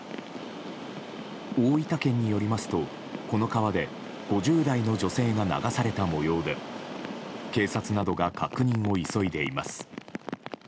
大分県によりますと、この川で５０代の女性が流された模様で警察などが確認を急いでいます。